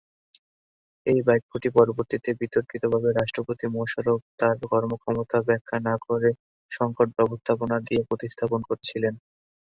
এই বাক্যটি পরবর্তীতে বিতর্কিতভাবে রাষ্ট্রপতি মোশাররফ তার কর্মক্ষমতা ব্যাখ্যা না করে "সংকট ব্যবস্থাপনা" দিয়ে প্রতিস্থাপন করেছিলেন।